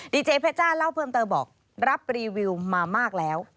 ดีเจเพชจ้าเล่าเพิ่มเติมบอกรับรีวิวมามากแล้ว